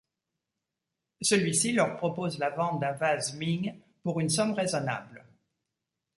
Celui-ci leur propose la vente d'un vase Ming pour une somme raisonnable.